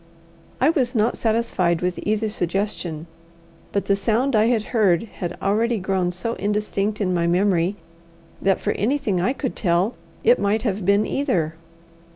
I was not satisfied with either suggestion; but the sound I had heard had already grown so indistinct in my memory, that for anything I could tell it might have been either.